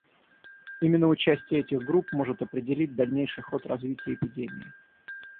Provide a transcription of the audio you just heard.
Именно участие этих групп может определить дальнейший ход развития эпидемии.